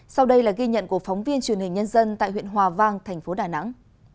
sau đây là ghi nhận của phóng viên truyền hình nhân dân tại huyện hòa vang thành phố đà nẵng